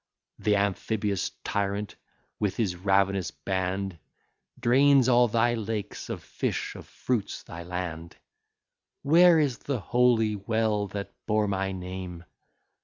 Th' amphibious tyrant, with his ravenous band, Drains all thy lakes of fish, of fruits thy land. Where is the holy well that bore my name?